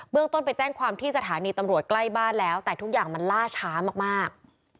ต้นไปแจ้งความที่สถานีตำรวจใกล้บ้านแล้วแต่ทุกอย่างมันล่าช้ามาก